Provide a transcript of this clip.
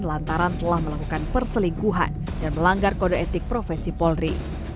lantaran telah melakukan perselingkuhan dan melanggar kode etik profesi polri